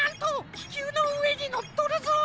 ききゅうのうえにのっとるぞ！